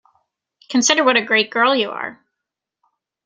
Consider what a great girl you are.